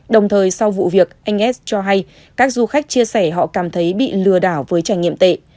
đồng thời sau vụ việc anh es cho hay các du khách chia sẻ họ cảm thấy bị lừa đảo với trải nghiệm tệ